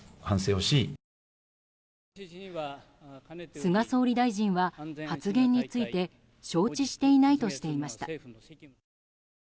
菅総理大臣は発言について承知していないとしていました。